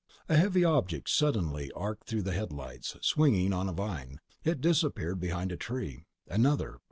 A heavy object suddenly arced through the headlights, swinging on a vine. It disappeared behind a tree. Another.